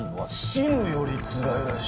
死ぬよりつらい？